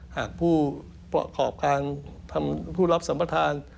หากผู้ประกอบการผู้รับสัมประธาน